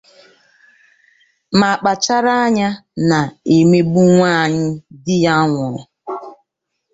mà kpàchárá anya na-emegbu nwaanyị di ya nwụrụ.